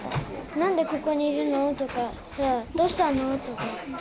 なんでここにいるの？とか、どうしたの？とか。